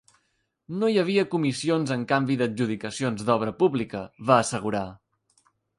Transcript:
No hi havia comissions en canvi d’adjudicacions d’obra pública, va assegurar.